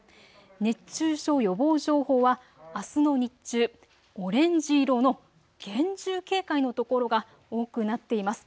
熱中症予防情報はあすの日中、オレンジ色の厳重警戒の所が多くなっています。